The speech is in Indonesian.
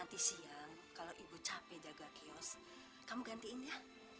nanti siang kalau ibu capek jaga kios kamu gantiin ya